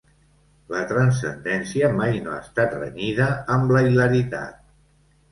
La transcendència mai no ha estat renyida amb la hilaritat.